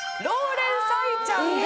ローレン・サイちゃん？